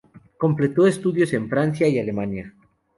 Completó estudios en Francia y Alemania.